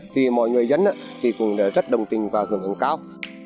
thì mọi người dân cũng rất đồng tình và hưởng ứng cao